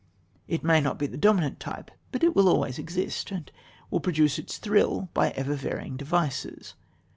It may not be the dominant type, but it will always exist, and will produce its thrill by ever varying devices.